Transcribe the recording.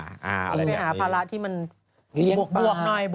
หรือหาภาระที่มันบวกบวกหน่อย